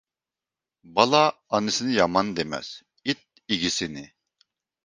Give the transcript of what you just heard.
بالا ئانىسىنى يامان دېمەس، ئىت ئىگىسىنى.